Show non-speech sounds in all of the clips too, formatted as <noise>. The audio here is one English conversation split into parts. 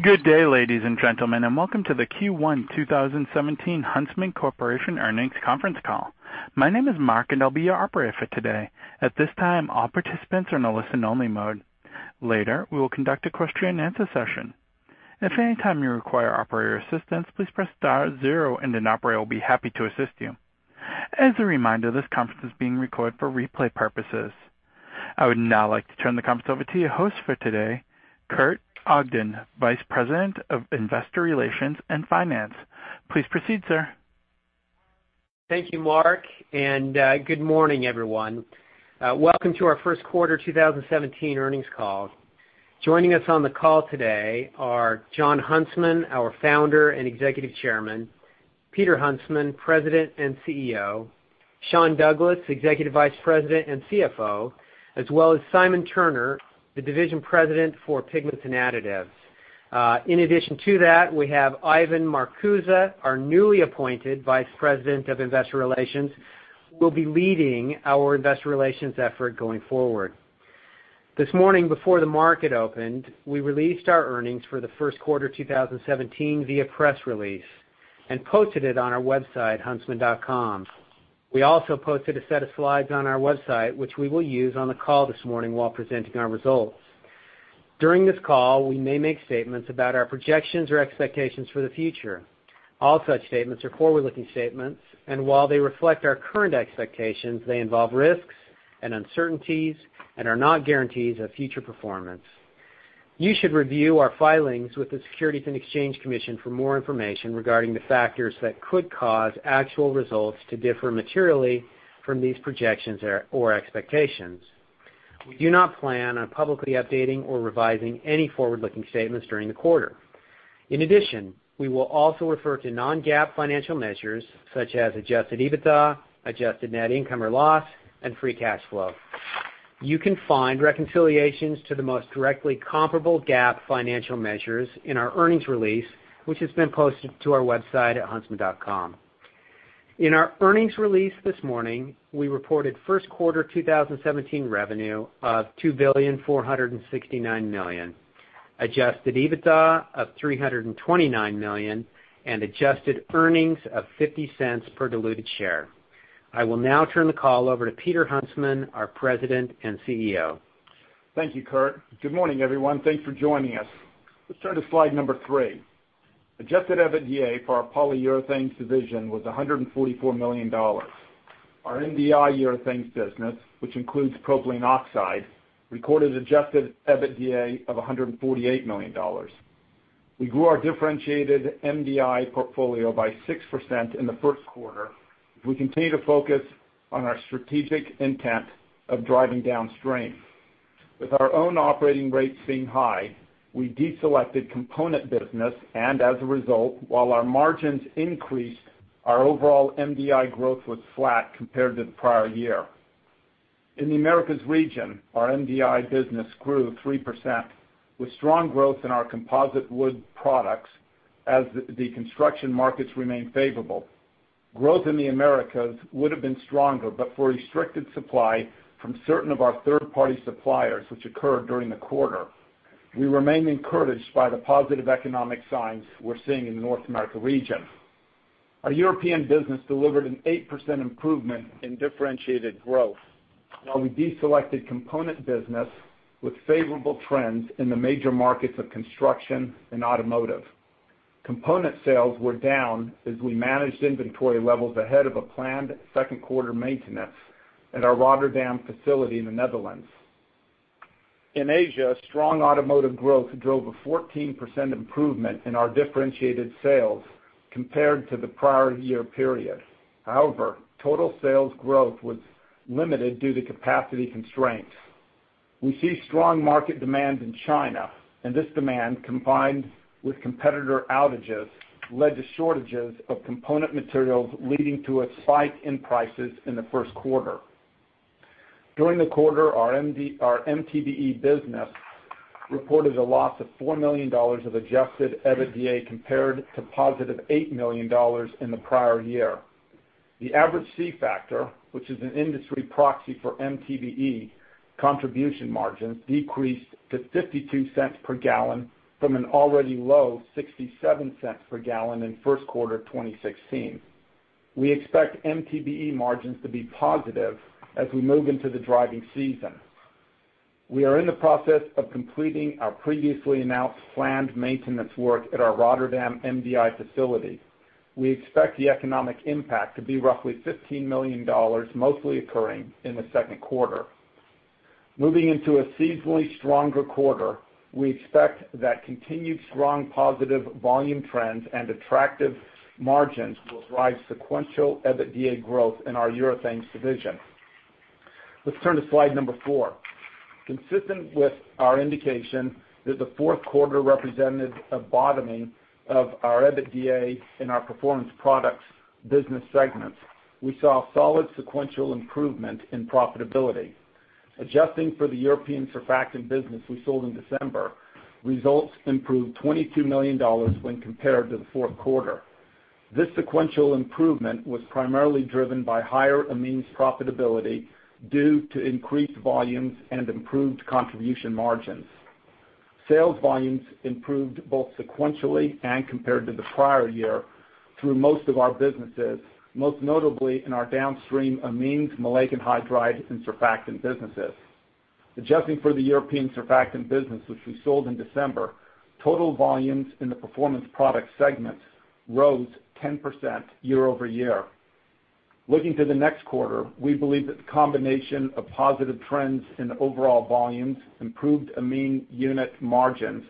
Good day, ladies and gentlemen. Welcome to the Q1 2017 Huntsman Corporation earnings conference call. My name is Mark. I'll be your operator for today. At this time, all participants are in a listen only mode. Later, we will conduct a question and answer session. If at any time you require operator assistance, please press star zero and an operator will be happy to assist you. As a reminder, this conference is being recorded for replay purposes. I would now like to turn the conference over to your host for today, Kurt Ogden, Vice President of Investor Relations and Finance. Please proceed, sir. Thank you, Mark. Good morning, everyone. Welcome to our first quarter 2017 earnings call. Joining us on the call today are Jon Huntsman, our Founder and Executive Chairman, Peter Huntsman, President and CEO, Sean Douglas, Executive Vice President and CFO, as well as Simon Turner, the Division President for Pigments and Additives. In addition to that, we have Ivan Marcuse, our newly appointed Vice President of Investor Relations, who will be leading our Investor Relations effort going forward. This morning before the market opened, we released our earnings for the first quarter 2017 via press release and posted it on our website, huntsman.com. We also posted a set of slides on our website, which we will use on the call this morning while presenting our results. During this call, we may make statements about our projections or expectations for the future. All such statements are forward-looking statements. While they reflect our current expectations, they involve risks and uncertainties and are not guarantees of future performance. You should review our filings with the Securities and Exchange Commission for more information regarding the factors that could cause actual results to differ materially from these projections or expectations. We do not plan on publicly updating or revising any forward-looking statements during the quarter. We will also refer to non-GAAP financial measures such as adjusted EBITDA, adjusted net income or loss, and free cash flow. You can find reconciliations to the most directly comparable GAAP financial measures in our earnings release, which has been posted to our website at huntsman.com. In our earnings release this morning, we reported first quarter 2017 revenue of $2.469 billion, adjusted EBITDA of $329 million, and adjusted earnings of $0.50 per diluted share. I will now turn the call over to Peter Huntsman, our President and CEO. Thank you, Kurt. Good morning, everyone. Thanks for joining us. Let's turn to slide number three. Adjusted EBITDA for our Polyurethanes division was $144 million. Our MDI urethanes business, which includes propylene oxide, recorded adjusted EBITDA of $148 million. We grew our differentiated MDI portfolio by 6% in the first quarter as we continue to focus on our strategic intent of driving downstream. With our own operating rates being high, we deselected component business and as a result, while our margins increased, our overall MDI growth was flat compared to the prior year. In the Americas region, our MDI business grew 3%, with strong growth in our composite wood products as the construction markets remain favorable. Growth in the Americas would have been stronger, but for restricted supply from certain of our third-party suppliers, which occurred during the quarter. We remain encouraged by the positive economic signs we're seeing in the North America region. Our European business delivered an 8% improvement in differentiated growth while we deselected component business with favorable trends in the major markets of construction and automotive. Component sales were down as we managed inventory levels ahead of a planned second quarter maintenance at our Rotterdam facility in the Netherlands. In Asia, strong automotive growth drove a 14% improvement in our differentiated sales compared to the prior year period. However, total sales growth was limited due to capacity constraints. We see strong market demand in China, and this demand, combined with competitor outages, led to shortages of component materials, leading to a spike in prices in the first quarter. During the quarter, our MTBE business reported a loss of $4 million of adjusted EBITDA compared to positive $8 million in the prior year. The average C factor, which is an industry proxy for MTBE contribution margins, decreased to $0.52 per gallon from an already low $0.67 per gallon in first quarter 2016. We expect MTBE margins to be positive as we move into the driving season. We are in the process of completing our previously announced planned maintenance work at our Rotterdam MDI facility. We expect the economic impact to be roughly $15 million, mostly occurring in the second quarter. Moving into a seasonally stronger quarter, we expect that continued strong positive volume trends and attractive margins will drive sequential EBITDA growth in our urethanes division. Let's turn to slide number four. Consistent with our indication that the fourth quarter represented a bottoming of our EBITDA in our Performance Products business segment, we saw solid sequential improvement in profitability. Adjusting for the European surfactant business we sold in December, results improved $22 million when compared to the fourth quarter. This sequential improvement was primarily driven by higher amines profitability due to increased volumes and improved contribution margins. Sales volumes improved both sequentially and compared to the prior year through most of our businesses, most notably in our downstream amines, maleic anhydride, and surfactant businesses. Adjusting for the European surfactant business, which we sold in December, total volumes in the Performance Products segments rose 10% year-over-year. Looking to the next quarter, we believe that the combination of positive trends in overall volumes, improved amine unit margins,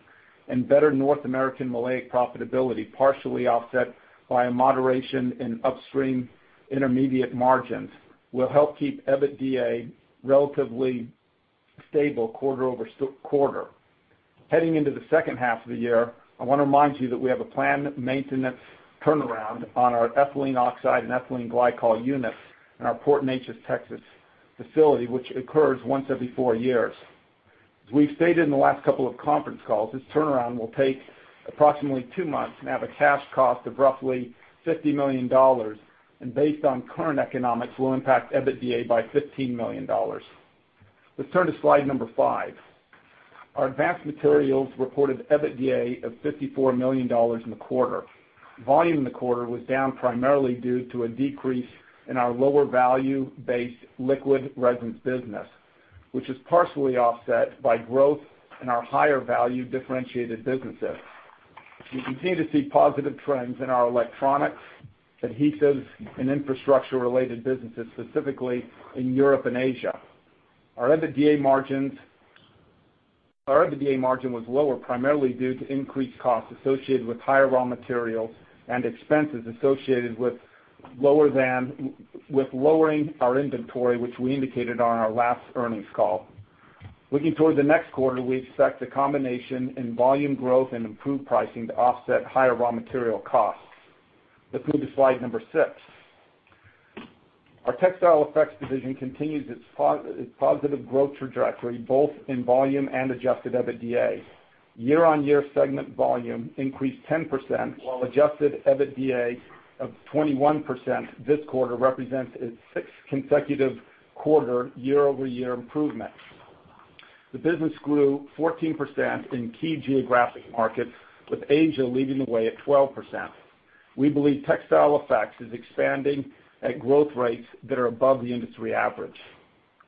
and better North American maleic profitability, partially offset by a moderation in upstream intermediate margins, will help keep EBITDA relatively stable quarter-over-quarter. Heading into the second half of the year, I want to remind you that we have a planned maintenance turnaround on our ethylene oxide and ethylene glycol unit in our Port Neches, Texas facility, which occurs once every four years. As we've stated in the last couple of conference calls, this turnaround will take approximately two months and have a cash cost of roughly $50 million, and based on current economics, will impact EBITDA by $15 million. Let's turn to slide number five. Our Advanced Materials reported EBITDA of $54 million in the quarter. Volume in the quarter was down primarily due to a decrease in our lower value base liquid resins business, which is partially offset by growth in our higher value differentiated businesses. We continue to see positive trends in our electronics, adhesives, and infrastructure related businesses, specifically in Europe and Asia. Our EBITDA margin was lower primarily due to increased costs associated with higher raw materials and expenses associated with lowering our inventory, which we indicated on our last earnings call. Looking towards the next quarter, we expect a combination in volume growth and improved pricing to offset higher raw material costs. Let's move to slide number six. Our Textile Effects division continues its positive growth trajectory both in volume and adjusted EBITDA. Year-over-year segment volume increased 10%, while adjusted EBITDA of 21% this quarter represents its sixth consecutive quarter year-over-year improvement. The business grew 14% in key geographic markets, with Asia leading the way at 12%. We believe Textile Effects is expanding at growth rates that are above the industry average.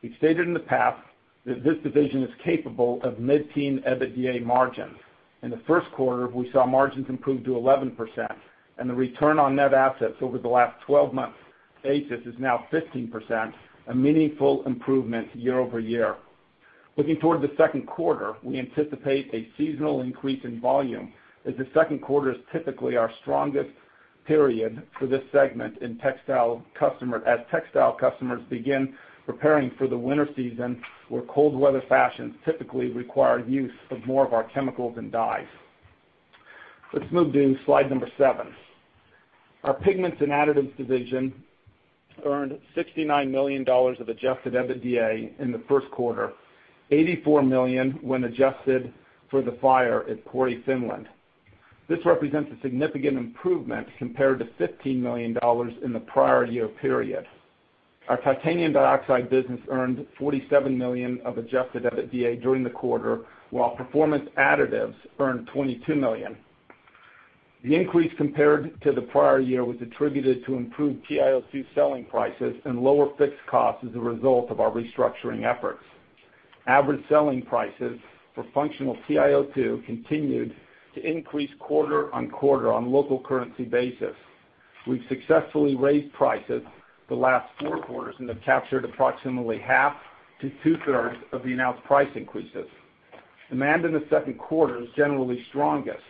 We've stated in the past that this division is capable of mid-teen EBITDA margins. In the first quarter, we saw margins improve to 11%, and the return on net assets over the last 11 months basis is now 15%, a meaningful improvement year-over-year. Looking toward the second quarter, we anticipate a seasonal increase in volume, as the second quarter is typically our strongest period for this segment as textile customers begin preparing for the winter season, where cold weather fashions typically require use of more of our chemicals and dyes. Let's move to slide number seven. Our Pigments and Additives division earned $69 million of adjusted EBITDA in the first quarter, $84 million when adjusted for the fire at Pori, Finland. This represents a significant improvement compared to $15 million in the prior year period. Our titanium dioxide business earned $47 million of adjusted EBITDA during the quarter, while Performance Additives earned $22 million. The increase compared to the prior year was attributed to improved TiO2 selling prices and lower fixed costs as a result of our restructuring efforts. Average selling prices for functional TiO2 continued to increase quarter-over-quarter on a local currency basis. We've successfully raised prices the last four quarters and have captured approximately half to two-thirds of the announced price increases. Demand in the second quarter is generally strongest.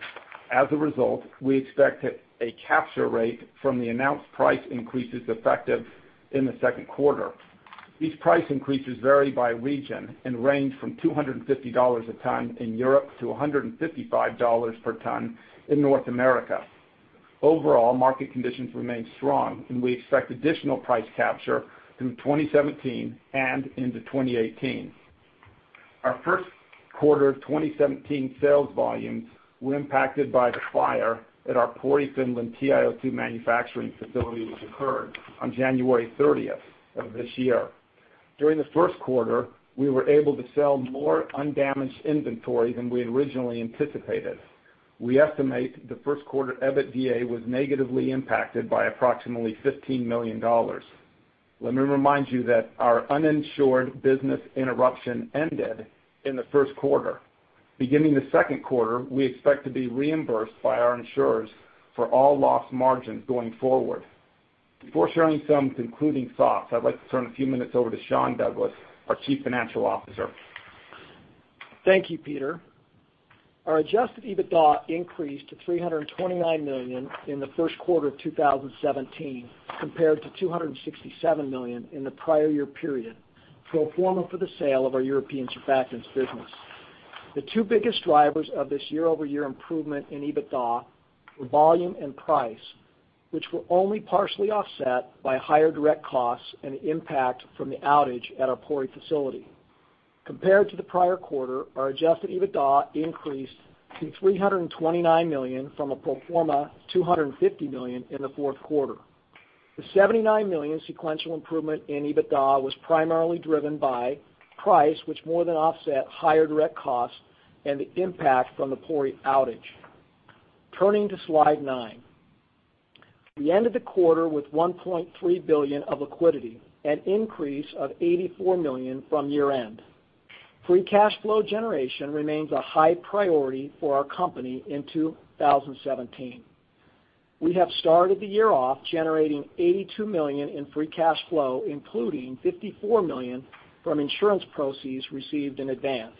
As a result, we expect a capture rate from the announced price increases effective in the second quarter. These price increases vary by region and range from $250 a ton in Europe to $155 per ton in North America. Overall, market conditions remain strong, and we expect additional price capture through 2017 and into 2018. Our first quarter 2017 sales volumes were impacted by the fire at our Pori, Finland TiO2 manufacturing facility, which occurred on January 30th of this year. During the first quarter, we were able to sell more undamaged inventory than we had originally anticipated. We estimate the first quarter EBITDA was negatively impacted by approximately $15 million. Let me remind you that our uninsured business interruption ended in the first quarter. Beginning the second quarter, we expect to be reimbursed by our insurers for all lost margins going forward. Before sharing some concluding thoughts, I'd like to turn a few minutes over to Sean Douglas, our Chief Financial Officer. Thank you, Peter. Our adjusted EBITDA increased to $329 million in the first quarter of 2017 compared to $267 million in the prior year period, pro forma for the sale of our European surfactants business. The two biggest drivers of this year-over-year improvement in EBITDA were volume and price, which were only partially offset by higher direct costs and impact from the outage at our Pori facility. Compared to the prior quarter, our adjusted EBITDA increased to $329 million from a pro forma $250 million in the fourth quarter. The $79 million sequential improvement in EBITDA was primarily driven by price, which more than offset higher direct costs and the impact from the Pori outage. Turning to slide nine. We end the quarter with $1.3 billion of liquidity, an increase of $84 million from year-end. Free cash flow generation remains a high priority for our company in 2017. We have started the year off generating $82 million in free cash flow, including $54 million from insurance proceeds received in advance.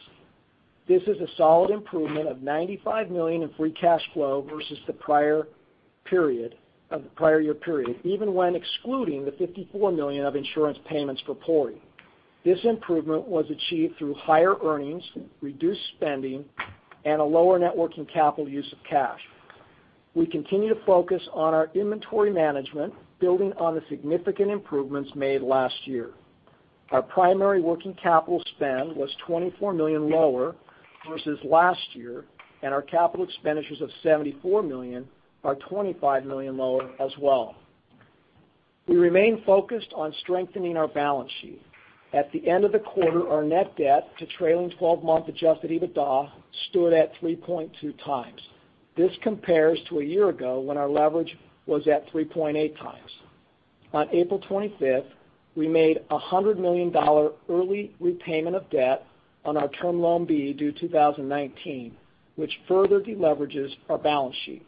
This is a solid improvement of $95 million in free cash flow versus the prior year period, even when excluding the $54 million of insurance payments for Pori. This improvement was achieved through higher earnings, reduced spending, and a lower net working capital use of cash. We continue to focus on our inventory management, building on the significant improvements made last year. Our primary working capital spend was $24 million lower versus last year, and our capital expenditures of $74 million are $25 million lower as well. We remain focused on strengthening our balance sheet. At the end of the quarter, our net debt to trailing 12-month adjusted EBITDA stood at 3.2 times. This compares to a year ago, when our leverage was at 3.8 times. On April 25th, we made a $100 million early repayment of debt on our term loan B, due 2019, which further de-leverages our balance sheet.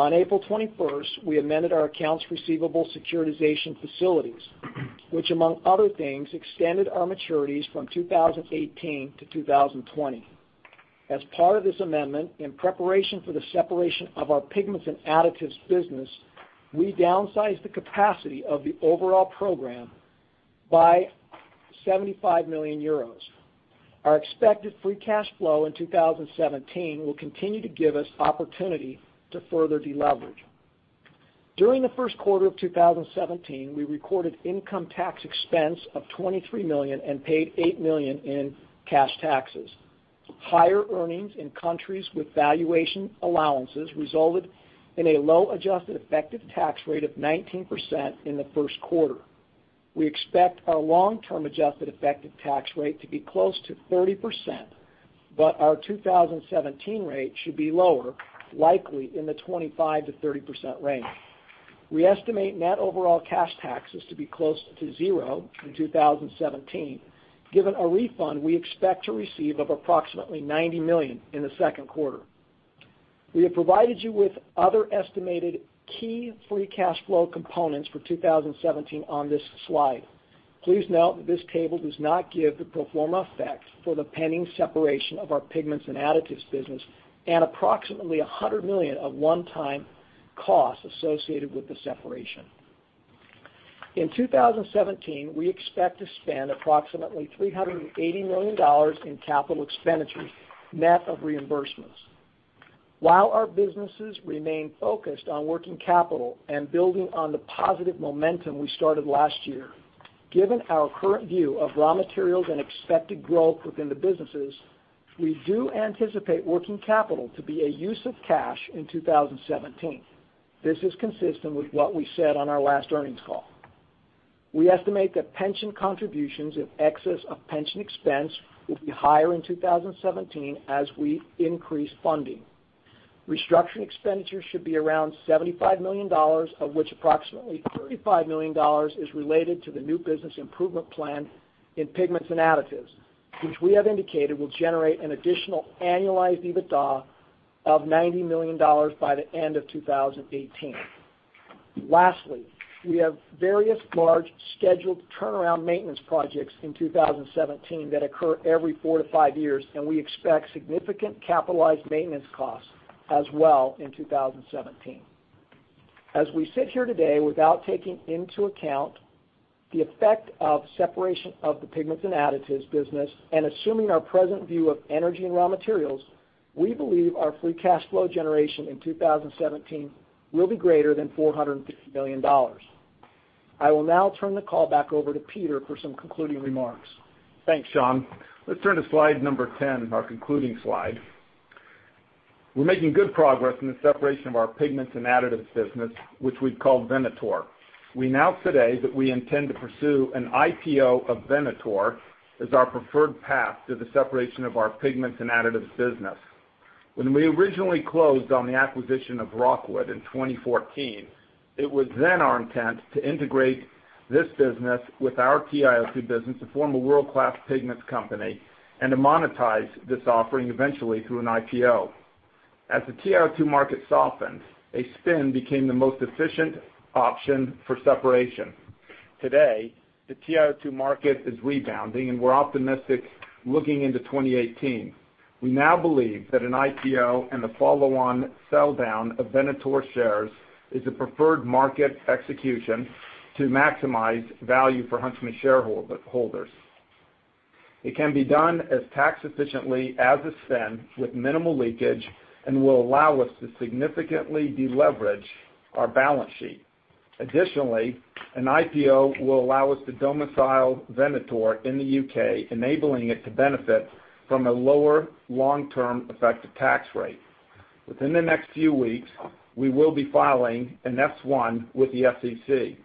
On April 21st, we amended our accounts receivable securitization facilities, which, among other things, extended our maturities from 2018 to 2020. As part of this amendment, in preparation for the separation of our Pigments and Additives business, we downsized the capacity of the overall program by €75 million. Our expected free cash flow in 2017 will continue to give us opportunity to further de-leverage. During the first quarter of 2017, we recorded income tax expense of $23 million and paid $8 million in cash taxes. Higher earnings in countries with valuation allowances resulted in a low adjusted effective tax rate of 19% in the first quarter. We expect our long-term adjusted effective tax rate to be close to 30%, but our 2017 rate should be lower, likely in the 25%-30% range. We estimate net overall cash taxes to be close to zero in 2017, given a refund we expect to receive of approximately $90 million in the second quarter. We have provided you with other estimated key free cash flow components for 2017 on this slide. Please note that this table does not give the pro forma effect for the pending separation of our Pigments and Additives business and approximately $100 million of one-time costs associated with the separation. In 2017, we expect to spend approximately $380 million in capital expenditures, net of reimbursements. While our businesses remain focused on working capital and building on the positive momentum we started last year, given our current view of raw materials and expected growth within the businesses, we do anticipate working capital to be a use of cash in 2017. This is consistent with what we said on our last earnings call. We estimate that pension contributions in excess of pension expense will be higher in 2017 as we increase funding. Restructuring expenditures should be around $75 million, of which approximately $35 million is related to the new business improvement plan in Pigments and Additives, which we have indicated will generate an additional annualized EBITDA of $90 million by the end of 2018. Lastly, we have various large scheduled turnaround maintenance projects in 2017 that occur every four to five years, and we expect significant capitalized maintenance costs as well in 2017. As we sit here today, without taking into account the effect of separation of the Pigments and Additives business and assuming our present view of energy and raw materials, we believe our free cash flow generation in 2017 will be greater than $450 million. I will now turn the call back over to Peter for some concluding remarks. Thanks, Sean. Let's turn to slide number 10, our concluding slide. We're making good progress in the separation of our Pigments and Additives business, which we've called Venator. We announce today that we intend to pursue an IPO of Venator as our preferred path to the separation of our Pigments and Additives business. When we originally closed on the acquisition of Rockwood in 2014, it was then our intent to integrate this business with our TiO2 business to form a world-class pigments company and to monetize this offering eventually through an IPO. As the TiO2 market softened, a spin became the most efficient option for separation. Today, the TiO2 market is rebounding, and we're optimistic looking into 2018. We now believe that an IPO and the follow-on sell down of Venator shares is the preferred market execution to maximize value for Huntsman shareholders. It can be done as tax efficiently as a spin with minimal leakage and will allow us to significantly de-leverage our balance sheet. Additionally, an IPO will allow us to domicile Venator in the U.K., enabling it to benefit from a lower long-term effective tax rate. Within the next few weeks, we will be filing an S-1 with the SEC.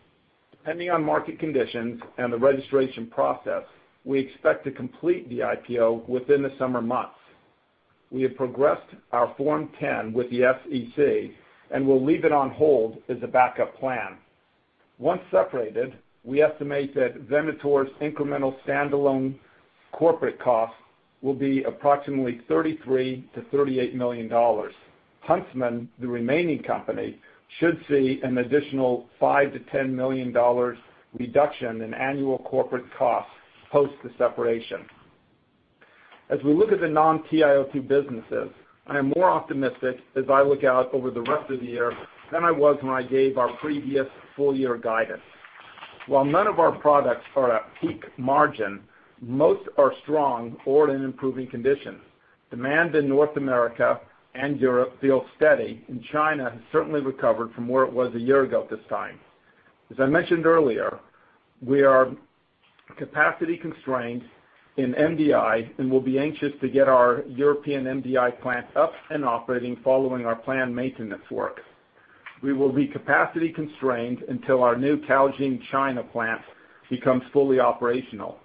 Depending on market conditions and the registration process, we expect to complete the IPO within the summer months. We have progressed our Form 10 with the SEC, and we'll leave it on hold as a backup plan. Once separated, we estimate that Venator's incremental standalone corporate costs will be approximately $33 million-$38 million. Huntsman, the remaining company, should see an additional $5 million-$10 million reduction in annual corporate costs post the separation. As we look at the non-TiO2 businesses, I am more optimistic as I look out over the rest of the year than I was when I gave our previous full-year guidance. While none of our products are at peak margin, most are strong or in improving conditions. Demand in North America and Europe feels steady, China has certainly recovered from where it was a year ago at this time. As I mentioned earlier, we are capacity constrained in MDI and will be anxious to get our European MDI plant up and operating following our planned maintenance work. We will be capacity constrained until our new Taizhou, China plant becomes fully operational.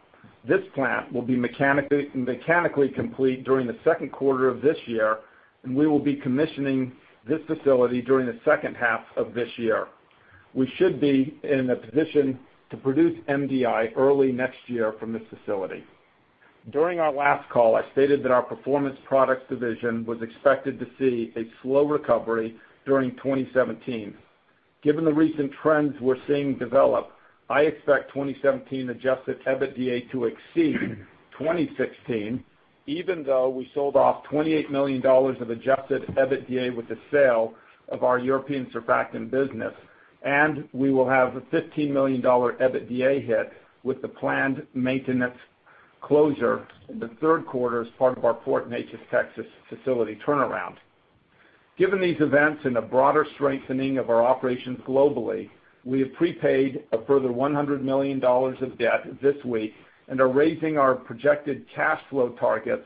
This plant will be mechanically complete during the second quarter of this year, and we will be commissioning this facility during the second half of this year. We should be in a position to produce MDI early next year from this facility. During our last call, I stated that our Performance Products division was expected to see a slow recovery during 2017. Given the recent trends we're seeing develop, I expect 2017 adjusted EBITDA to exceed 2016, even though we sold off $28 million of adjusted EBITDA with the sale of our European surfactant business. We will have a $15 million EBITDA hit with the planned maintenance closure in the third quarter as part of our Port Neches, Texas facility turnaround. Given these events and the broader strengthening of our operations globally, we have prepaid a further $100 million of debt this week and are raising our projected cash flow targets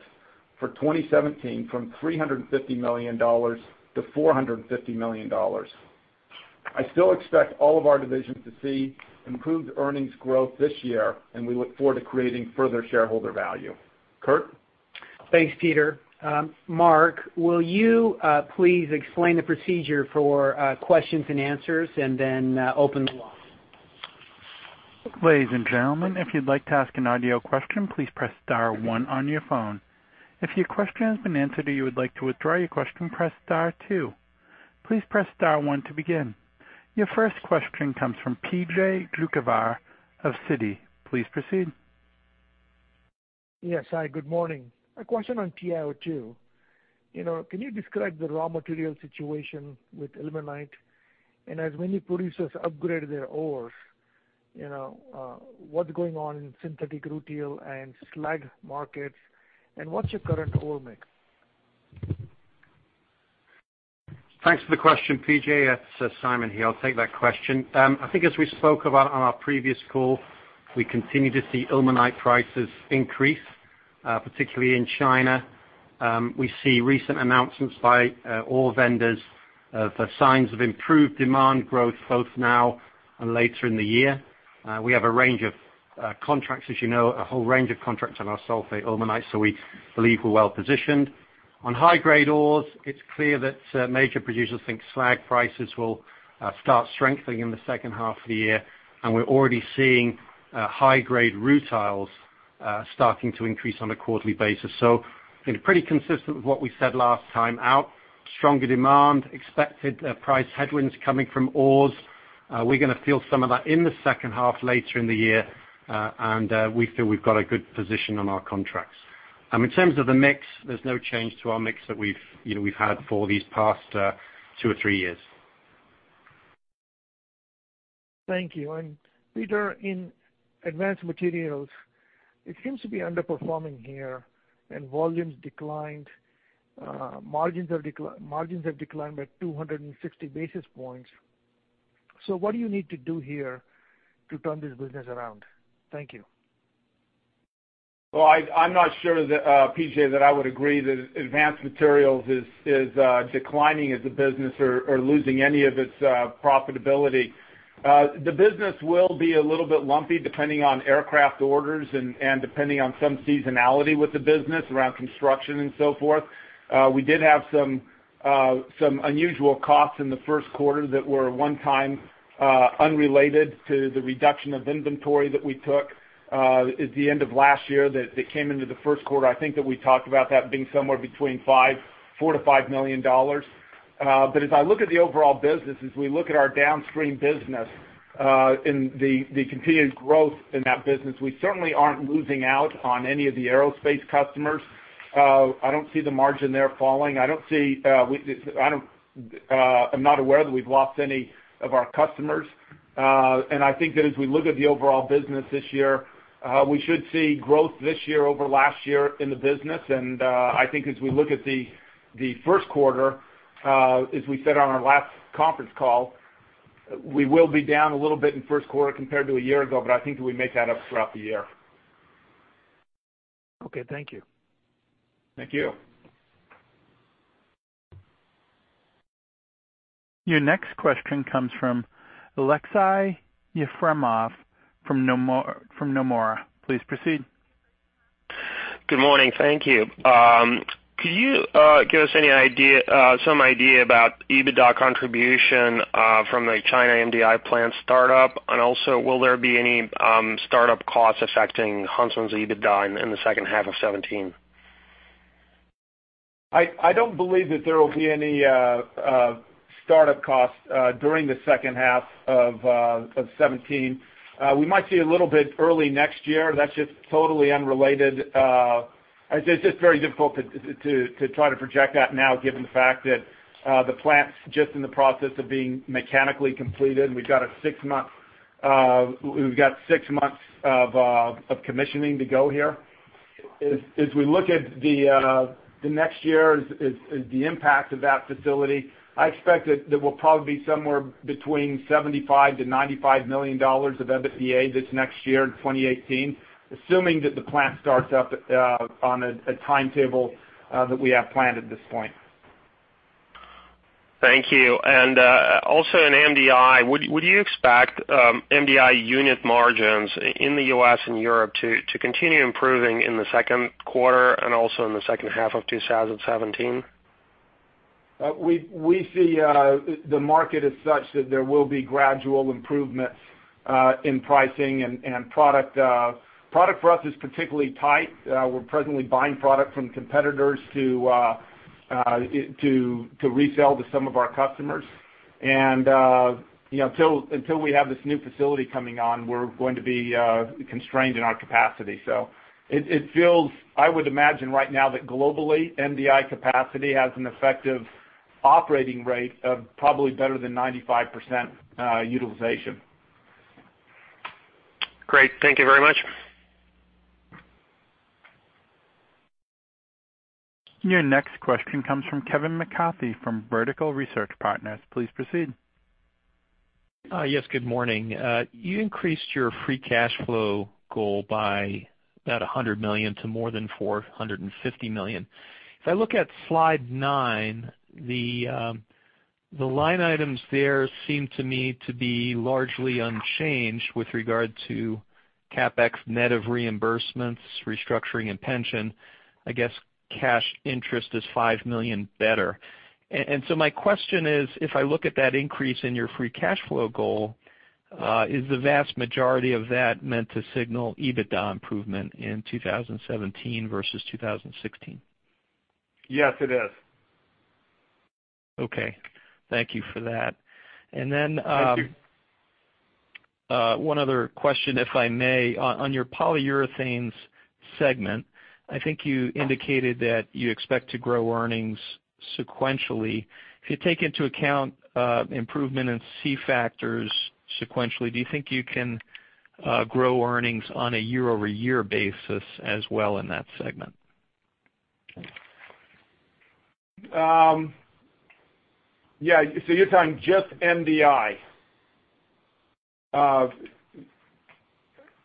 for 2017 from $350 million-$450 million. I still expect all of our divisions to see improved earnings growth this year, and we look forward to creating further shareholder value. Kurt? Thanks, Peter. Mark, will you please explain the procedure for questions and answers and then open the line? Ladies and gentlemen, if you'd like to ask an audio question, please press *1 on your phone. If your question has been answered or you would like to withdraw your question, press *2. Please press *1 to begin. Your first question comes from P.J. Juvekar of Citi. Please proceed. Yes. Hi, good morning. A question on TiO2. Can you describe the raw material situation with ilmenite? As many producers upgrade their ores, what's going on in synthetic rutile and slag markets, and what's your current ore mix? Thanks for the question, P.J. It's Simon here. I'll take that question. I think as we spoke about on our previous call, we continue to see ilmenite prices increase, particularly in China. We see recent announcements by ore vendors for signs of improved demand growth both now and later in the year. We have a range of contracts, as you know, a whole range of contracts on our sulfate ilmenite, so we believe we're well-positioned. On high-grade ores, it's clear that major producers think slag prices will start strengthening in the second half of the year, and we're already seeing high-grade rutiles starting to increase on a quarterly basis. Pretty consistent with what we said last time out. Stronger demand, expected price headwinds coming from ores. We're going to feel some of that in the second half later in the year. We feel we've got a good position on our contracts. In terms of the mix, there's no change to our mix that we've had for these past two or three years. Thank you. Peter, in Advanced Materials, it seems to be underperforming here and volumes declined. Margins have declined by 260 basis points. What do you need to do here to turn this business around? Thank you. Well, I'm not sure, P.J., that I would agree that Advanced Materials is declining as a business or losing any of its profitability. The business will be a little bit lumpy depending on aircraft orders and depending on some seasonality with the business around construction and so forth. We did have some unusual costs in the first quarter that were one-time unrelated to the reduction of inventory that we took at the end of last year that came into the first quarter. I think that we talked about that being somewhere between $4 million-$5 million. As I look at the overall business, as we look at our downstream business, and the continued growth in that business, we certainly aren't losing out on any of the aerospace customers. I don't see the margin there falling. I'm not aware that we've lost any of our customers. I think that as we look at the overall business this year, we should see growth this year over last year in the business. I think as we look at the first quarter, as we said on our last conference call, we will be down a little bit in first quarter compared to a year ago, I think that we make that up throughout the year. Okay, thank you. Thank you. Your next question comes from Aleksey Yefremov from Nomura. Please proceed. Good morning. Thank you. Could you give us some idea about EBITDA contribution from the China MDI plant startup? Also, will there be any startup costs affecting Huntsman's EBITDA in the second half of 2017? I don't believe that there will be any startup costs during the second half of 2017. We might see a little bit early next year. That's just totally unrelated. It's just very difficult to try to project that now, given the fact that the plant's just in the process of being mechanically completed, and we've got six months of commissioning to go here. As we look at the next year as the impact of that facility, I expect that we'll probably be somewhere between $75 million-$95 million of EBITDA this next year in 2018, assuming that the plant starts up on a timetable that we have planned at this point. Thank you. In MDI, would you expect MDI unit margins in the U.S. and Europe to continue improving in the second quarter and also in the second half of 2017? We see the market as such that there will be gradual improvements in pricing and product. Product for us is particularly tight. We're presently buying product from competitors to resell to some of our customers. Until we have this new facility coming on, we're going to be constrained in our capacity. It feels, I would imagine right now that globally, MDI capacity has an effective operating rate of probably better than 95% utilization. Great. Thank you very much. Your next question comes from Kevin McCarthy from Vertical Research Partners. Please proceed. Yes, good morning. You increased your free cash flow goal by about $100 million to more than $450 million. If I look at slide nine, the line items there seem to me to be largely unchanged with regard to CapEx net of reimbursements, restructuring, and pension. I guess cash interest is $5 million better. My question is, if I look at that increase in your free cash flow goal, is the vast majority of that meant to signal EBITDA improvement in 2017 versus 2016? Yes, it is. Okay. Thank you for that. Thank you. Then one other question, if I may. On your Polyurethanes segment, I think you indicated that you expect to grow earnings sequentially. If you take into account improvement in C factors sequentially, do you think you can grow earnings on a year-over-year basis as well in that segment? Yeah. You're talking just MDI.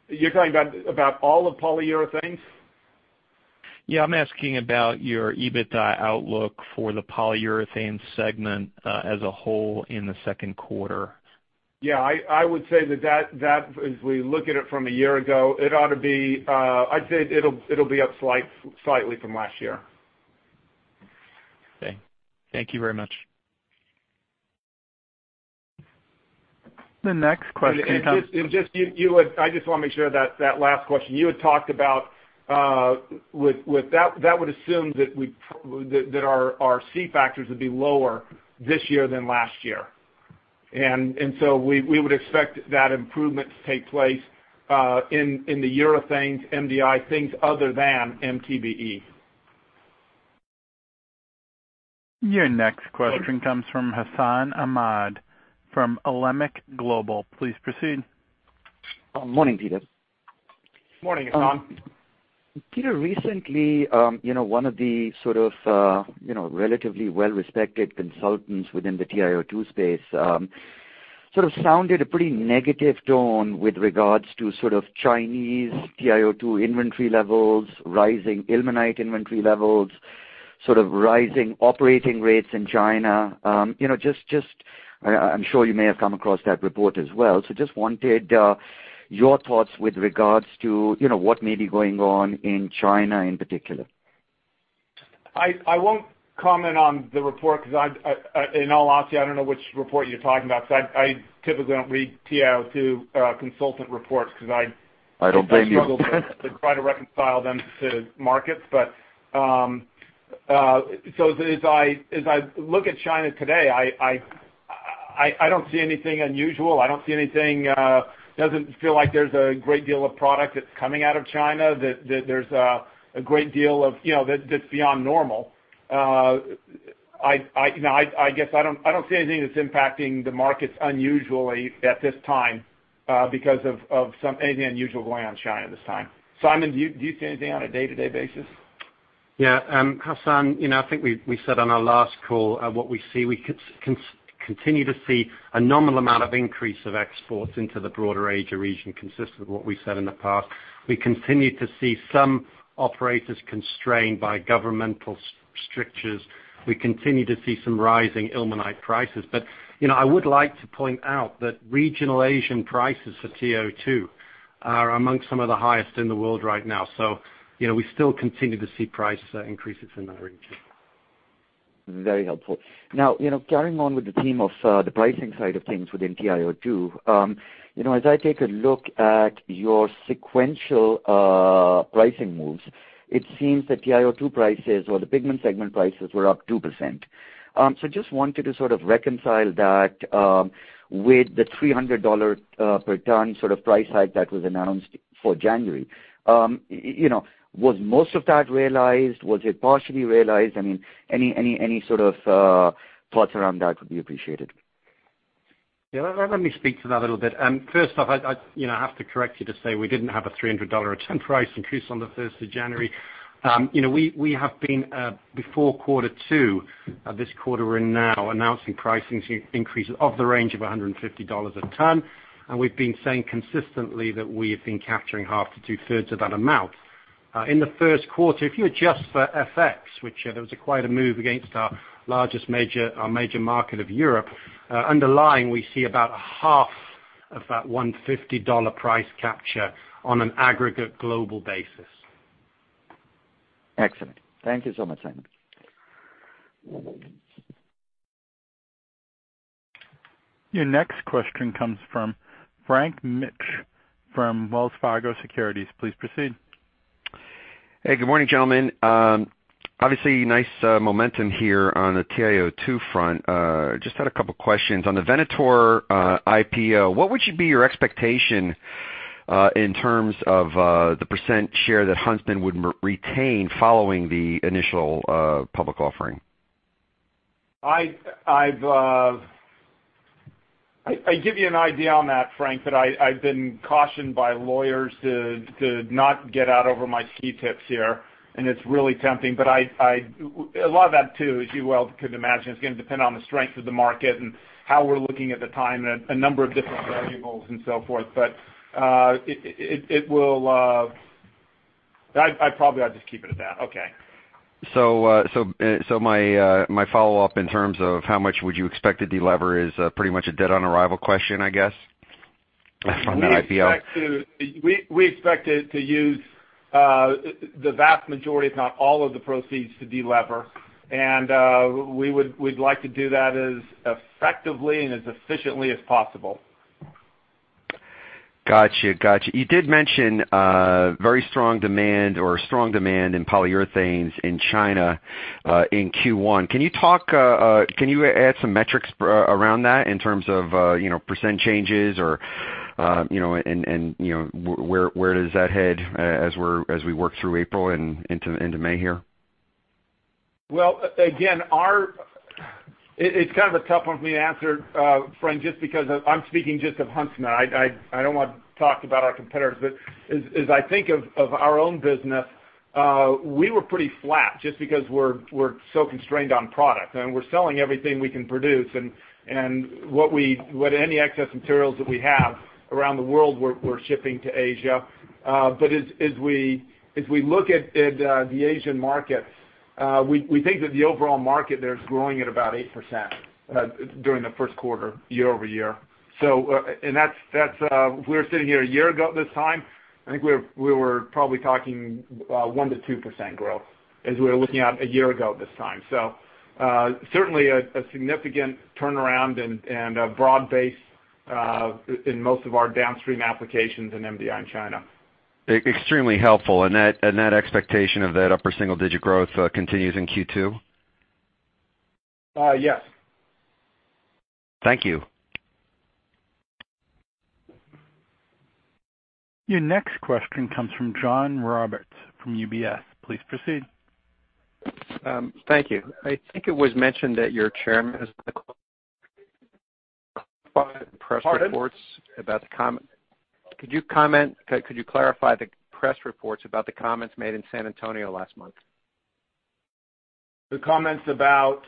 You're talking about all of Polyurethanes? Yeah, I'm asking about your EBITDA outlook for the Polyurethanes segment as a whole in the second quarter. Yeah, I would say that as we look at it from a year ago, I'd say it'll be up slightly from last year. Okay. Thank you very much. The next question comes. I just want to make sure that last question, that would assume that our C-factors would be lower this year than last year. We would expect that improvement to take place in the Urethanes MDI things other than MTBE. Your next question comes from Hassan Ahmed from Alembic Global. Please proceed. Morning, Peter. Morning, Hassan. Peter, recently one of the sort of relatively well-respected consultants within the TiO2 space sort of sounded a pretty negative tone with regards to sort of Chinese TiO2 inventory levels, rising ilmenite inventory levels, sort of rising operating rates in China. I'm sure you may have come across that report as well. Just wanted your thoughts with regards to what may be going on in China in particular. I won't comment on the report because in all honesty, I don't know which report you're talking about. I typically don't read TiO2 consultant reports because. I don't blame you I struggle to try to reconcile them to markets. As I look at China today, I don't see anything unusual. It doesn't feel like there's a great deal of product that's coming out of China, that there's a great deal that's beyond normal. I guess I don't see anything that's impacting the markets unusually at this time. Because of anything unusual going on in China this time. Simon, do you see anything on a day-to-day basis? Hassan, I think we said on our last call what we see. We continue to see a nominal amount of increase of exports into the broader Asia region, consistent with what we've said in the past. We continue to see some operators constrained by governmental strictures. We continue to see some rising ilmenite prices. I would like to point out that regional Asian prices for TiO2 are amongst some of the highest in the world right now. We still continue to see price increases in that region. Very helpful. Carrying on with the theme of the pricing side of things within TiO2. As I take a look at your sequential pricing moves, it seems that TiO2 prices, or the Pigment segment prices, were up 2%. Just wanted to sort of reconcile that with the $300 per ton sort of price hike that was announced for January. Was most of that realized? Was it partially realized? Any sort of thoughts around that would be appreciated. Yeah. Let me speak to that a little bit. First off, I have to correct you to say we didn't have a $300 a ton price increase on the 1st of January. We have been, before quarter two, this quarter we're in now, announcing pricing increases of the range of $150 a ton, and we've been saying consistently that we have been capturing half to two-thirds of that amount. In the first quarter, if you adjust for FX, which there was quite a move against our major market of Europe, underlying we see about half of that $150 price capture on an aggregate global basis. Excellent. Thank you so much, Simon. Your next question comes from Frank Mitsch from Wells Fargo Securities. Please proceed. Hey, good morning, gentlemen. Obviously nice momentum here on the TiO2 front. Just had a couple questions. On the Venator IPO, what would be your expectation in terms of the % share that Huntsman would retain following the initial public offering? I give you an idea on that, Frank, but I've been cautioned by lawyers to not get out over my ski tips here, and it's really tempting. A lot of that too, as you well could imagine, is going to depend on the strength of the market and how we're looking at the time, a number of different variables and so forth. Probably I'll just keep it at that. Okay. My follow-up in terms of how much would you expect to de-lever is pretty much a dead-on-arrival question, I guess, from that IPO. We expect to use the vast majority, if not all, of the proceeds to de-lever. We'd like to do that as effectively and as efficiently as possible. Got you. You did mention very strong demand or strong demand in Polyurethanes in China in Q1. Can you add some metrics around that in terms of % changes and where does that head as we work through April and into May here? Well, again, it's kind of a tough one for me to answer, Frank, just because I'm speaking just of Huntsman. I don't want to talk about our competitors. As I think of our own business, we were pretty flat just because we're so constrained on product, and we're selling everything we can produce, and what any excess materials that we have around the world we're shipping to Asia. As we look at the Asian market, we think that the overall market there is growing at about 8% during the first quarter, year-over-year. If we were sitting here a year ago at this time, I think we were probably talking 1%-2% growth as we were looking out a year ago at this time. Certainly a significant turnaround and a broad base in most of our downstream applications in MDI in China. Extremely helpful. That expectation of that upper single-digit growth continues in Q2? Yes. Thank you. Your next question comes from John Roberts from UBS. Please proceed. Thank you. I think it was mentioned that your chairman, <audio distortion> could you clarify the press reports about the comments made in San Antonio last month? The comments about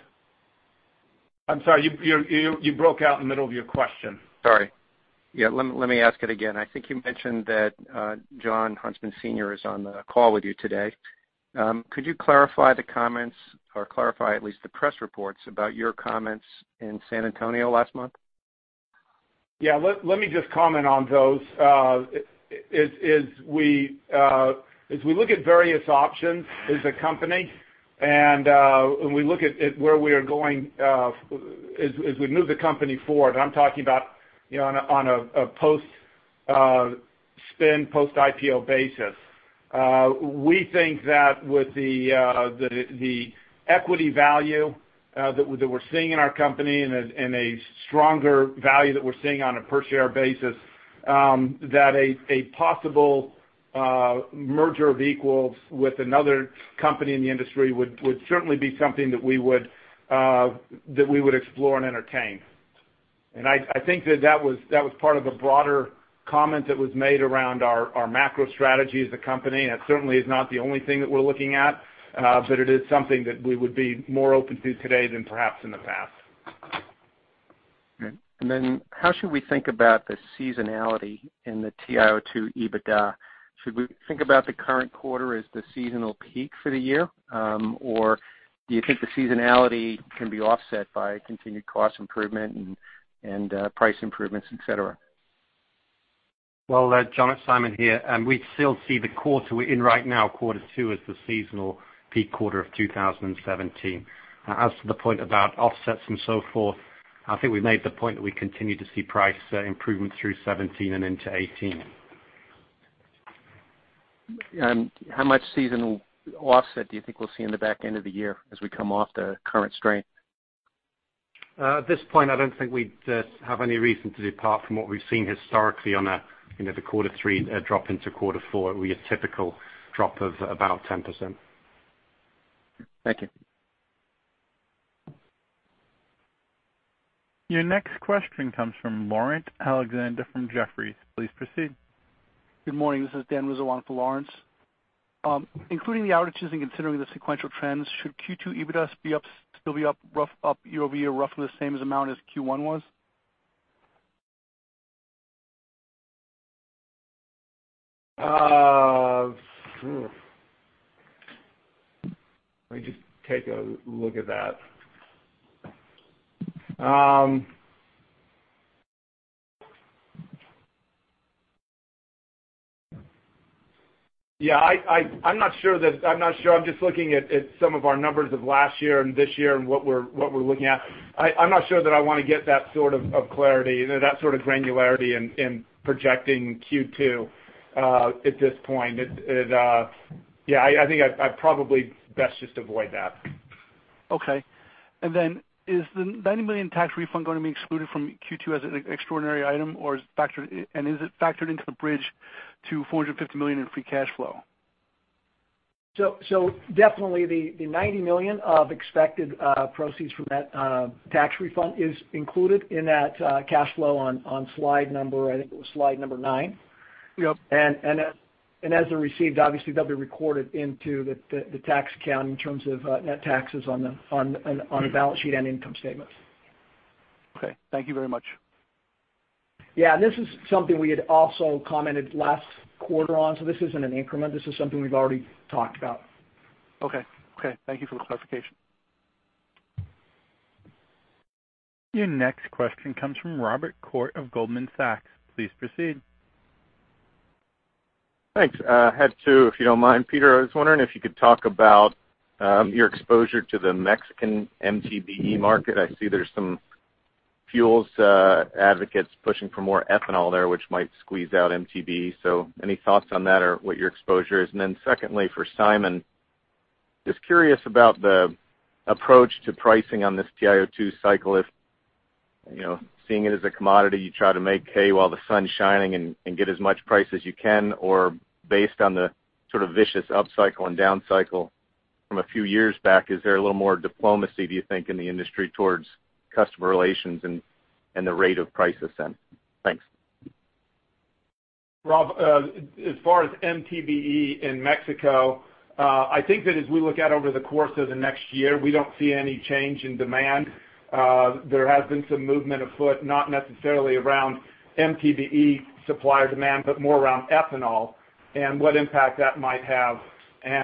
I'm sorry, you broke out in the middle of your question. Sorry. Yeah, let me ask it again. I think you mentioned that Jon Huntsman Sr. is on the call with you today. Could you clarify the comments, or clarify at least the press reports about your comments in San Antonio last month? Yeah. Let me just comment on those. As we look at various options as a company, as we move the company forward, I'm talking about on a post-spin, post-IPO basis. We think that with the equity value that we're seeing in our company and a stronger value that we're seeing on a per-share basis, that a possible merger of equals with another company in the industry would certainly be something that we would explore and entertain. I think that was part of a broader comment that was made around our macro strategy as a company, it certainly is not the only thing that we're looking at, but it is something that we would be more open to today than perhaps in the past. Okay. How should we think about the seasonality in the TiO2 EBITDA? Should we think about the current quarter as the seasonal peak for the year? Do you think the seasonality can be offset by continued cost improvement and price improvements, et cetera? Well, John, it's Simon here. We still see the quarter we're in right now, quarter two, as the seasonal peak quarter of 2017. As to the point about offsets and so forth, I think we made the point that we continue to see price improvement through 2017 and into 2018. How much seasonal offset do you think we'll see in the back end of the year as we come off the current strength? At this point, I don't think we have any reason to depart from what we've seen historically on the quarter three drop into quarter four. We get a typical drop of about 10%. Thank you. Your next question comes from Laurence Alexander from Jefferies. Please proceed. Good morning. This is Dan Wizowaty for Laurence. Including the outages and considering the sequential trends, should Q2 EBITDA still be up year-over-year, roughly the same as amount as Q1 was? Let me just take a look at that. Yeah, I'm not sure. I'm just looking at some of our numbers of last year and this year and what we are looking at. I'm not sure that I want to get that sort of clarity, that sort of granularity in projecting Q2 at this point. I think I'd probably best just avoid that. Okay. Then is the $90 million tax refund going to be excluded from Q2 as an extraordinary item, and is it factored into the bridge to $450 million in free cash flow? Definitely the $90 million of expected proceeds from that tax refund is included in that cash flow on slide number, I think it was slide number nine. Yep. As they're received, obviously they'll be recorded into the tax account in terms of net taxes on a balance sheet and income statement. Okay. Thank you very much. Yeah. This is something we had also commented last quarter on, this isn't an increment. This is something we've already talked about. Okay. Thank you for the clarification. Your next question comes from Robert Koort of Goldman Sachs. Please proceed. Thanks. I had two, if you don't mind. Peter, I was wondering if you could talk about your exposure to the Mexican MTBE market. I see there's some fuels advocates pushing for more ethanol there, which might squeeze out MTBE. Any thoughts on that or what your exposure is? Secondly, for Simon, just curious about the approach to pricing on this TiO2 cycle if, seeing it as a commodity, you try to make hay while the sun's shining and get as much price as you can, or based on the sort of vicious upcycle and downcycle from a few years back. Is there a little more diplomacy, do you think, in the industry towards customer relations and the rate of price ascent? Thanks. Rob, as far as MTBE in Mexico, I think that as we look out over the course of the next year, we don't see any change in demand. There has been some movement afoot, not necessarily around MTBE supply or demand, but more around ethanol and what impact that might have. Yeah,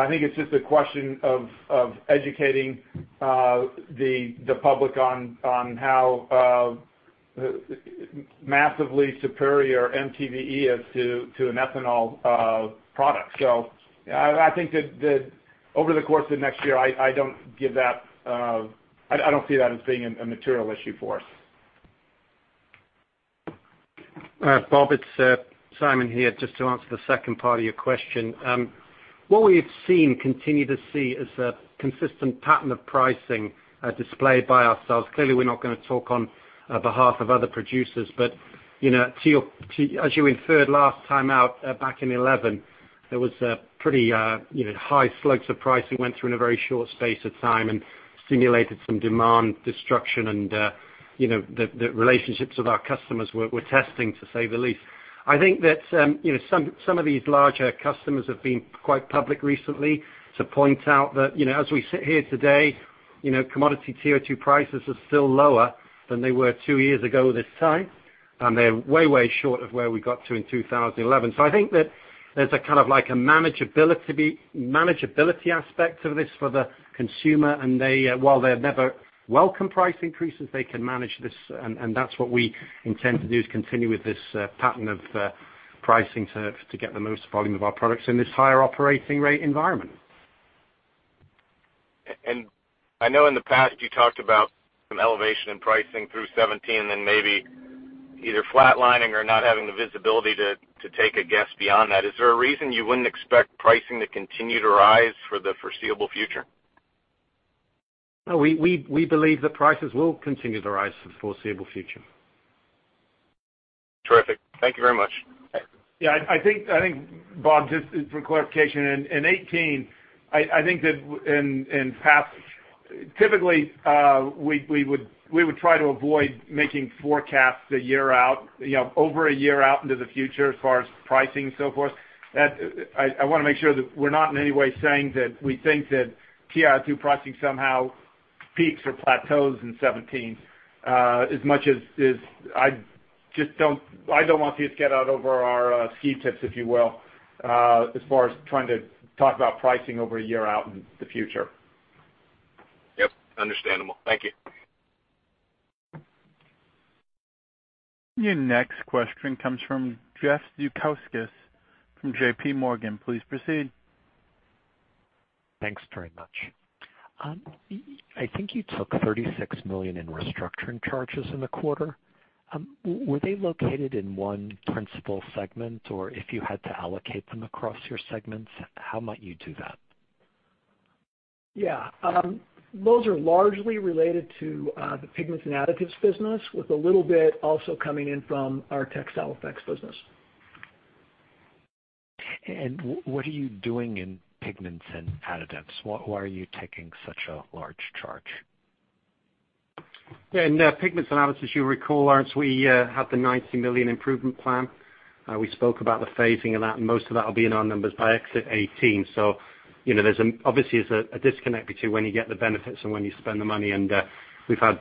I think it's just a question of educating the public on how massively superior MTBE is to an ethanol product. I think that over the course of next year, I don't see that as being a material issue for us. Bob, it's Simon here. Just to answer the second part of your question. What we've seen, continue to see, is a consistent pattern of pricing displayed by ourselves. Clearly, we're not going to talk on behalf of other producers, but as you inferred last time out back in 2011, there was a pretty high slopes of pricing went through in a very short space of time and stimulated some demand destruction, and the relationships with our customers were testing, to say the least. I think that some of these larger customers have been quite public recently to point out that as we sit here today, commodity TiO2 prices are still lower than they were two years ago this time, and they're way short of where we got to in 2011. I think that there's a kind of manageability aspect of this for the consumer, and while they never welcome price increases, they can manage this, and that's what we intend to do, is continue with this pattern of pricing to get the most volume of our products in this higher operating rate environment. I know in the past you talked about some elevation in pricing through 2017, then maybe either flatlining or not having the visibility to take a guess beyond that. Is there a reason you wouldn't expect pricing to continue to rise for the foreseeable future? We believe that prices will continue to rise for the foreseeable future. Terrific. Thank you very much. Yeah. I think, Bob, just for clarification, in 2018, I think that in past, typically, we would try to avoid making forecasts a year out, over a year out into the future as far as pricing and so forth. I want to make sure that we're not in any way saying that we think that TiO2 pricing somehow peaks or plateaus in 2017. As much as I don't want to get out over our ski tips, if you will, as far as trying to talk about pricing over a year out in the future. Yep. Understandable. Thank you. Your next question comes from Jeff Zekauskas from J.P. Morgan. Please proceed. Thanks very much. I think you took $36 million in restructuring charges in the quarter. Were they located in one principal segment, or if you had to allocate them across your segments, how might you do that? Yeah. Those are largely related to the Pigments and Additives business, with a little bit also coming in from our Textile Effects business. What are you doing in Pigments and Additives? Why are you taking such a large charge? Yeah. In Pigments and Additives, as you recall, Laurence, we had the $90 million improvement plan. We spoke about the phasing of that, and most of that will be in our numbers by exit 2018. There's obviously a disconnect between when you get the benefits and when you spend the money. We've had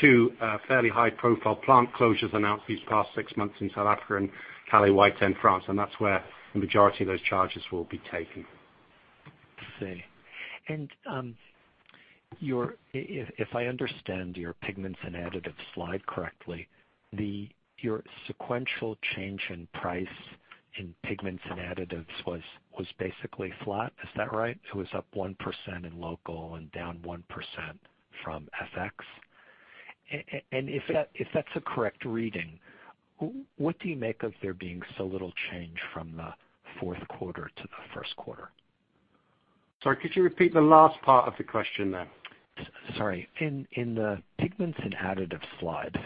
two fairly high-profile plant closures announced these past six months in South Africa and Calais, Whitehaven, France. That's where the majority of those charges will be taken. I see. If I understand your Pigments and Additives slide correctly, your sequential change in price in Pigments and Additives was basically flat. Is that right? It was up 1% in local and down 1% from FX. If that's a correct reading, what do you make of there being so little change from the fourth quarter to the first quarter? Sorry, could you repeat the last part of the question there? Sorry. In the Pigments and Additives slide.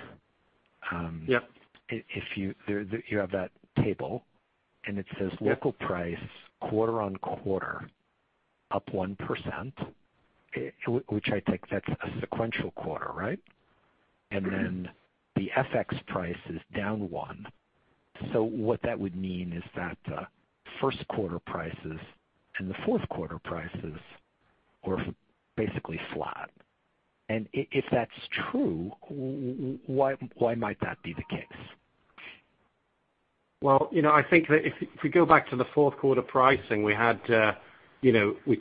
Yep You have that table. It says Yep local price quarter-on-quarter up 1%, which I take that's a sequential quarter, right? Then the FX price is down 1%. What that would mean is that the first quarter prices and the fourth quarter prices were basically flat. If that's true, why might that be the case? I think that if we go back to the fourth quarter pricing, we'd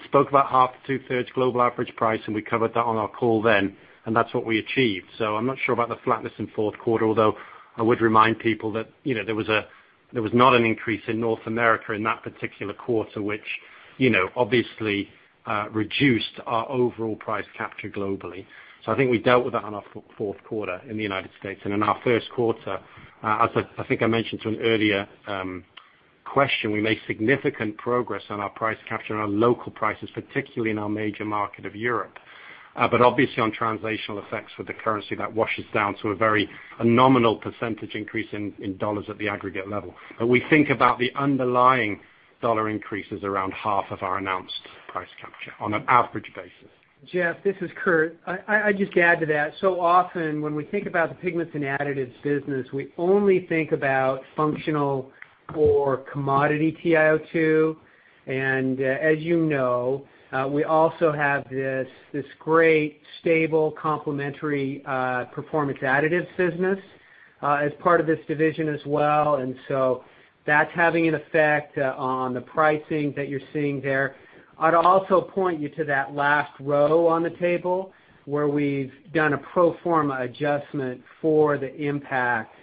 spoke about half to two thirds global average price, and we covered that on our call then, and that's what we achieved. I'm not sure about the flatness in fourth quarter, although I would remind people that there was not an increase in North America in that particular quarter, which obviously reduced our overall price capture globally. I think we dealt with that on our fourth quarter in the United States. In our first quarter, as I think I mentioned to an earlier question, we made significant progress on our price capture and our local prices, particularly in our major market of Europe. Obviously on translational effects with the currency, that washes down to a very nominal percentage increase in dollars at the aggregate level. We think about the underlying dollar increase as around half of our announced price capture on an average basis. Jeff, this is Kurt. I just add to that. Often, when we think about the Pigments and Additives business, we only think about functional or commodity TiO2. As you know, we also have this great, stable, complementary Performance Additives business as part of this division as well. That's having an effect on the pricing that you're seeing there. I'd also point you to that last row on the table where we've done a pro forma adjustment for the impact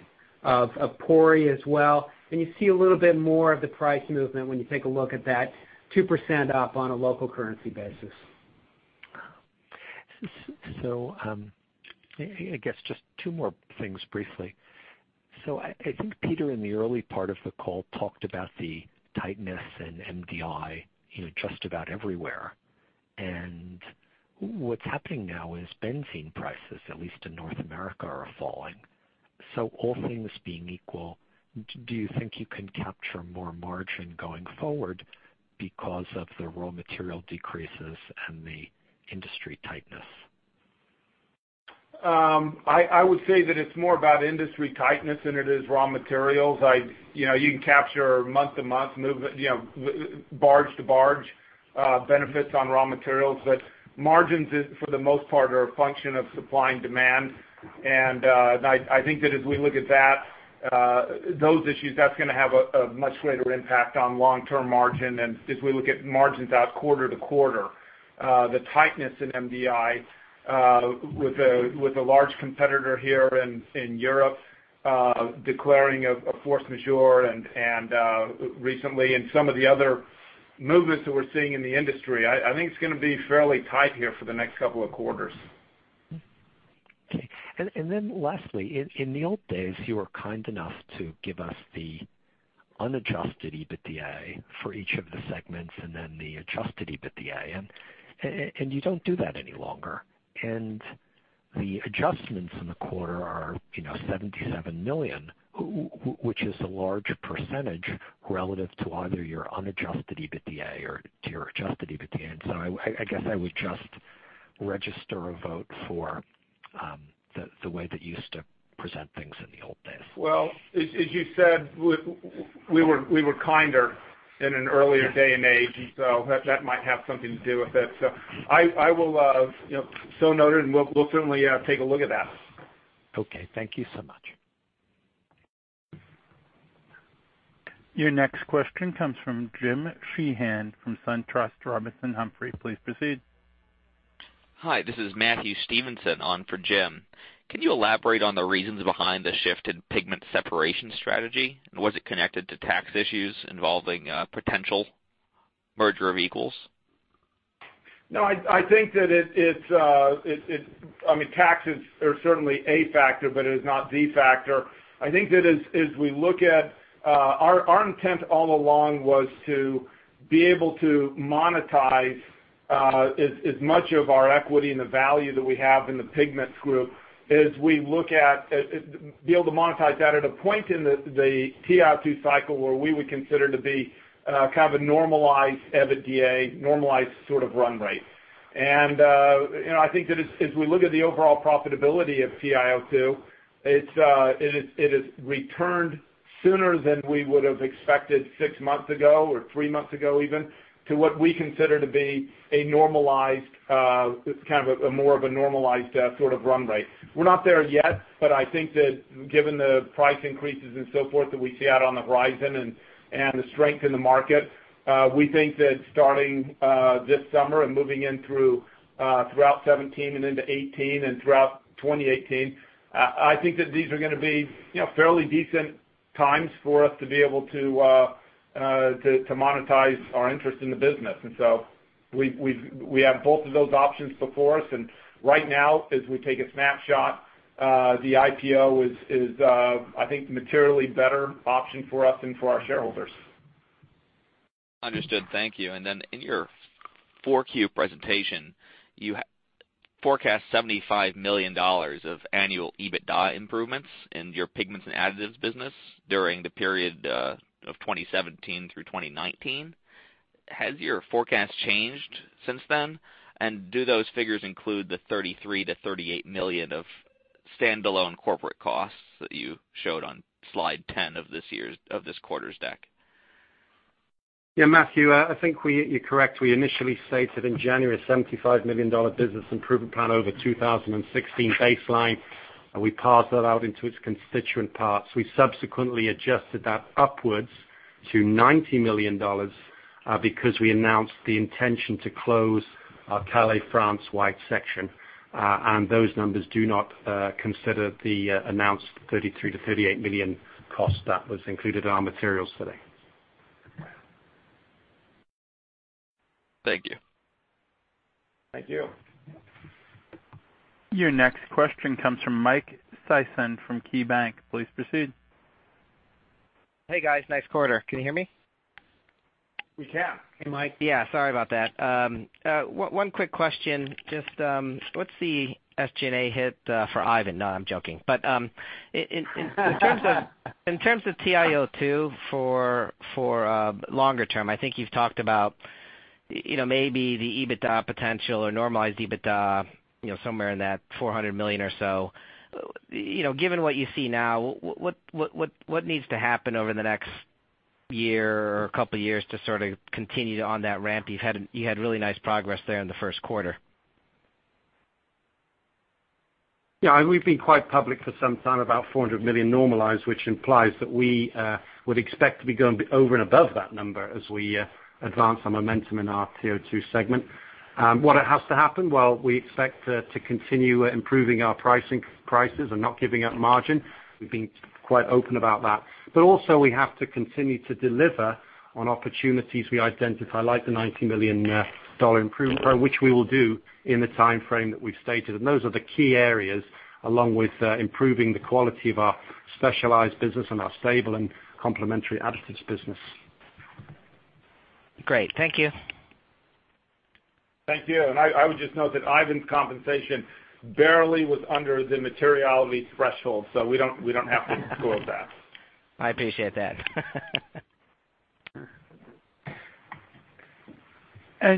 of Pori as well. You see a little bit more of the price movement when you take a look at that 2% up on a local currency basis. I guess just two more things briefly. I think Peter in the early part of the call talked about the tightness in MDI just about everywhere. What's happening now is benzene prices, at least in North America, are falling. All things being equal, do you think you can capture more margin going forward because of the raw material decreases and the industry tightness? I would say that it's more about industry tightness than it is raw materials. You can capture month-to-month barge-to-barge benefits on raw materials, but margins, for the most part, are a function of supply and demand. I think that as we look at those issues, that's going to have a much greater impact on long-term margin. As we look at margins out quarter-to-quarter, the tightness in MDI, with a large competitor here in Europe declaring a force majeure recently and some of the other movements that we're seeing in the industry. I think it's going to be fairly tight here for the next couple of quarters. Lastly, in the old days, you were kind enough to give us the unadjusted EBITDA for each of the segments and then the adjusted EBITDA, and you don't do that any longer. The adjustments in the quarter are $77 million, which is a large percentage relative to either your unadjusted EBITDA or to your adjusted EBITDA. I guess I would just register a vote for the way that you used to present things in the old days. As you said, we were kinder in an earlier day and age. That might have something to do with it. I will note it, and we'll certainly take a look at that. Thank you so much. Your next question comes from James Sheehan of SunTrust Robinson Humphrey. Please proceed. Hi, this is Matthew Stevenson on for Jim. Can you elaborate on the reasons behind the shift in pigment separation strategy, and was it connected to tax issues involving potential merger of equals? I think that taxes are certainly a factor, but it is not the factor. I think that as we look at our intent all along was to be able to monetize as much of our equity and the value that we have in the pigments group be able to monetize that at a point in the TiO2 cycle where we would consider to be kind of a normalized EBITDA, normalized sort of run rate. I think that as we look at the overall profitability of TiO2, it has returned sooner than we would've expected six months ago or three months ago even, to what we consider to be a more of a normalized sort of run rate. We're not there yet, but I think that given the price increases and so forth that we see out on the horizon and the strength in the market, we think that starting this summer and moving in throughout 2017 and into 2018 and throughout 2018, I think that these are going to be fairly decent times for us to be able to monetize our interest in the business. We have both of those options before us, and right now, as we take a snapshot, the IPO is, I think, the materially better option for us and for our shareholders. Understood. Thank you. Then in your 4Q presentation, you forecast $75 million of annual EBITDA improvements in your Pigments and Additives business during the period of 2017 through 2019. Has your forecast changed since then? Do those figures include the $33 million-$38 million of standalone corporate costs that you showed on slide 10 of this quarter's deck? Yeah, Matthew, I think you're correct. We initially stated in January, $75 million business improvement plan over 2016 baseline, and we parsed that out into its constituent parts. We subsequently adjusted that upwards to $90 million, because we announced the intention to close our Calais, France white section. Those numbers do not consider the announced $33 million-$38 million cost that was included in our materials today. Thank you. Thank you. Your next question comes from Mike Sison from KeyBanc. Please proceed. Hey, guys. Nice quarter. Can you hear me? We can. Hey, Mike. Yeah. Sorry about that. One quick question. Just what's the SG&A hit for Ivan? No, I'm joking. In terms of TiO2 for longer term, I think you've talked about maybe the EBITDA potential or normalized EBITDA, somewhere in that $400 million or so. Given what you see now, what needs to happen over the next year or couple of years to sort of continue on that ramp? You had really nice progress there in the first quarter. Yeah. We've been quite public for some time, about $400 million normalized, which implies that we would expect to be going over and above that number as we advance our momentum in our TiO2 segment. What has to happen? We expect to continue improving our prices and not giving up margin. We've been quite open about that. Also, we have to continue to deliver on opportunities we identify, like the $90 million improvement program, which we will do in the timeframe that we've stated. Those are the key areas along with improving the quality of our specialized business and our stable and complementary Additives business. Great. Thank you. Thank you. I would just note that Ivan's compensation barely was under the materiality threshold, we don't have to disclose that. I appreciate that.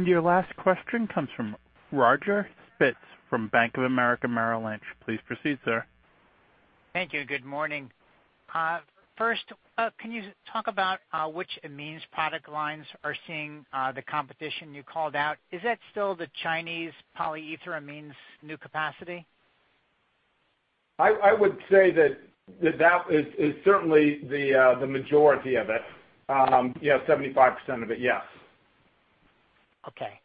Your last question comes from Roger Spitz from Bank of America Merrill Lynch. Please proceed, sir. Thank you. Good morning. First, can you talk about which amines product lines are seeing the competition you called out? Is that still the Chinese polyetheramines new capacity? I would say that that is certainly the majority of it. 75% of it, yes. Okay.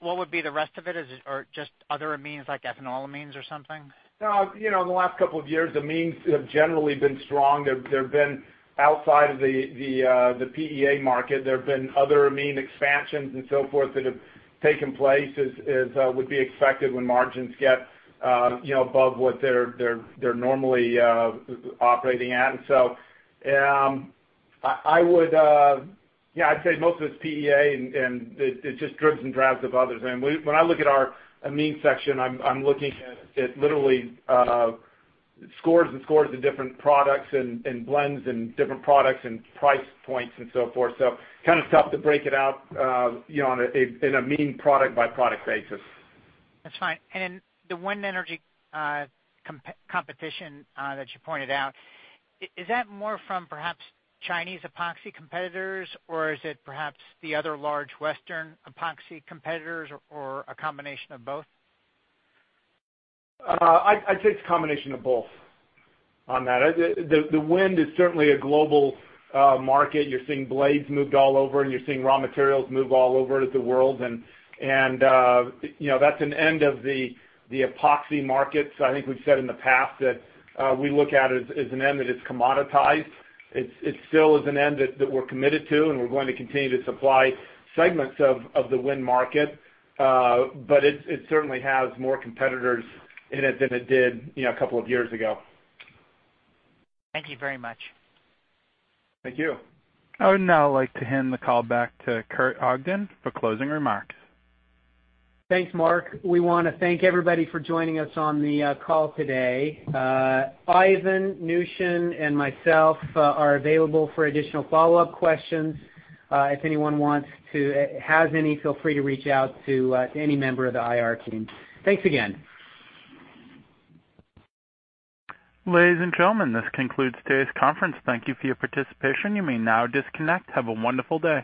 What would be the rest of it? Or just other amines, like ethanolamines or something? No. In the last couple of years, amines have generally been strong. Outside of the PEA market, there have been other amine expansions and so forth that have taken place, as would be expected when margins get above what they're normally operating at. I would say most of it's PEA, and it's just dribs and drabs of others. When I look at our amine section, I'm looking at literally scores and scores of different products and blends and different products and price points and so forth. Kind of tough to break it out in an amine product-by-product basis. That's fine. The wind energy competition that you pointed out, is that more from perhaps Chinese epoxy competitors, or is it perhaps the other large Western epoxy competitors or a combination of both? I'd say it's a combination of both on that. The wind is certainly a global market. You're seeing blades moved all over, and you're seeing raw materials move all over the world. That's an end of the epoxy market. I think we've said in the past that we look at it as an end that is commoditized. It still is an end that we're committed to, and we're going to continue to supply segments of the wind market. It certainly has more competitors in it than it did a couple of years ago. Thank you very much. Thank you. I would now like to hand the call back to Kurt Ogden for closing remarks. Thanks, Mark. We want to thank everybody for joining us on the call today. Ivan, Nooshin, and myself are available for additional follow-up questions. If anyone has any, feel free to reach out to any member of the IR team. Thanks again. Ladies and gentlemen, this concludes today's conference. Thank you for your participation. You may now disconnect. Have a wonderful day.